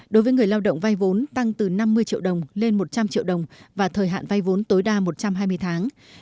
đối với người lao động vay vốn tăng từ năm mươi triệu đồng lên một trăm linh triệu đồng và thời hạn vay vốn tối đa một trăm hai mươi tháng